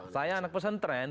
saya anak pesantren